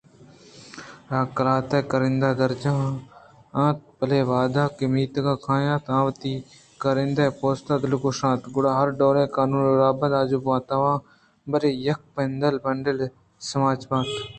اگاں آقلاتءَکارندہءِ درجہ ءَ اَنت بلئے وہدے کہ میتگ ءَ کاینت آوتی کارندہےءِ پوست ءَ لگوش اَنت گڑا ہر ڈولیں قانود ءُرَہبندءَ آجو بنت آواں برے یک پندل ءُپلینڈے ساچ اِت